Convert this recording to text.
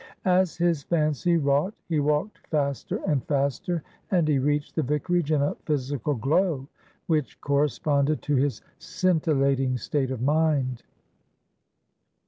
As his fancy wrought, he walked faster and faster, and he reached the vicarage in a physical glow which corresponded to his scintillating state of mind.